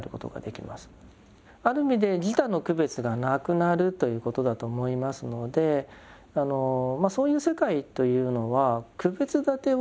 ある意味で「自他の区別がなくなる」ということだと思いますのでそういう世界というのは区別だてをしない世界。